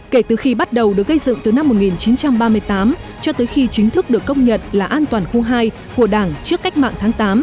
kể từ khi bắt đầu được gây dựng từ năm một nghìn chín trăm ba mươi tám cho tới khi chính thức được công nhận là an toàn khu hai của đảng trước cách mạng tháng tám